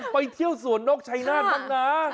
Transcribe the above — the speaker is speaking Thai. ไปเที่ยวสวนนกชัยนาธบ้างนะ